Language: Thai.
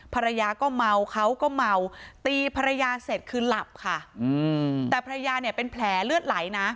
ภรรยาก็เมาเขาก็เมาตีภรรยาเสร็จคือหลับค่ะแต่ภรรยาเนี่ยเป็นแผลเลือดไหลนะ